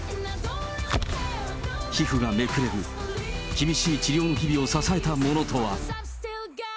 皮膚がめくれる、厳しい治療の日々を支えたものとは。